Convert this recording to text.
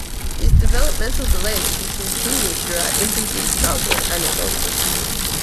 These developmental delays can continue throughout infancy, childhood, and adulthood.